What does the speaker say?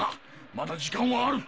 まだ時間はある。